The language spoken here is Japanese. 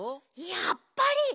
やっぱり。